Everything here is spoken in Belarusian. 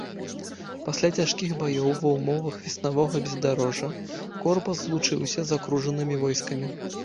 Пасля цяжкіх баёў ва ўмовах веснавога бездарожжа корпус злучыўся з акружанымі войскамі.